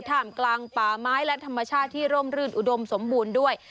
ท่ามกลางป่าไม้และธรรมชาติที่ร่มรื่นอุดมสมบูรณ์ด้วย